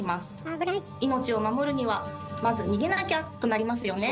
命を守るにはまず逃げなきゃ！となりますよね。